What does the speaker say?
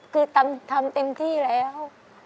คือทำเต็มที่แล้ว